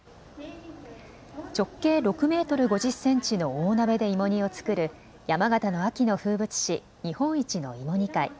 直径６メートル５０センチの大鍋で芋煮を作る山形の秋の風物詩、日本一の芋煮会。